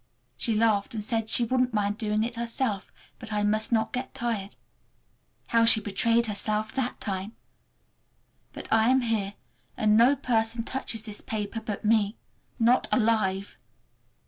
She laughed and said she wouldn't mind doing it herself, but I must not get tired. How she betrayed herself that time! But I am here, and no person touches this paper but me—not alive!